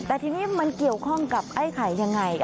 แต่ทีนี้มันเกี่ยวข้องกับไอ้ไข่ยังไง